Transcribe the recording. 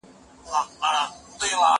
هغه څوک چي کالي مينځي روغ وي!